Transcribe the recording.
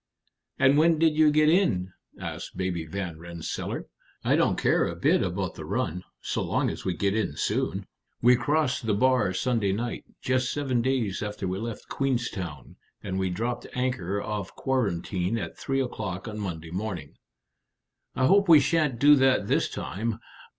"And when did you get in?" asked Baby Van Rensselaer. "I don't care a bit about the run, so long as we get in soon." "We crossed the bar Sunday night, just seven days after we left Queenstown, and we dropped anchor off Quarantine at three o'clock on Monday morning." "I hope we sha'n't do that this time.